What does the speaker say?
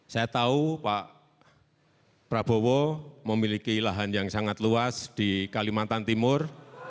saya tahu pak prabowo memiliki lahan yang sangat luas di kalimantan timur